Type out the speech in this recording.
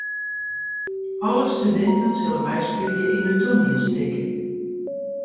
Alle studinten sille meispylje yn it toanielstik.